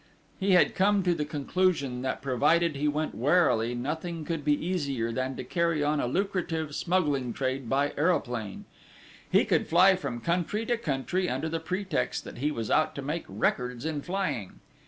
He had come to the conclusion that provided he went warily nothing could be easier than to carry on a lucrative smuggling trade by aeroplane: he could fly from country to country under the pretext that he was out to make records in flying.